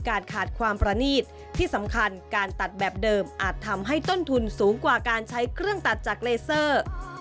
ขาดความประนีตที่สำคัญการตัดแบบเดิมอาจทำให้ต้นทุนสูงกว่าการใช้เครื่องตัดจากเลเซอร์